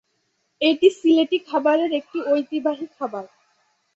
এটি সিলেটি খাবারে একটি ঐতিহ্যবাহী খাবার।